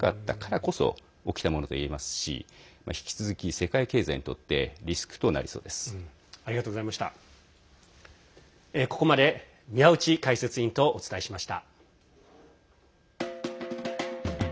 ここまで宮内解説委員とお伝えしました。